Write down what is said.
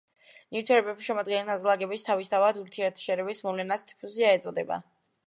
ნივთიერების შემადგენელი ნაწილაკების თავისთავად ურთიერთშერევის მოვლებას დიფუზია ეწოდება.